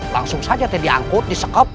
langsung saja t diangkut disekap